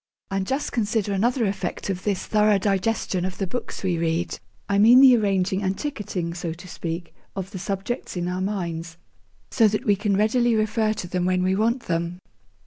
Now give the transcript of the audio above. And just consider another effect of this thorough digestion of the books we read; I mean the arranging and 'ticketing,' so to speak, of the subjects in our minds, so that we can readily refer to them when we want them.